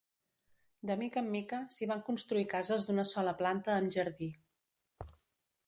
De mica en mica, s’hi van construir cases d’una sola planta amb jardí.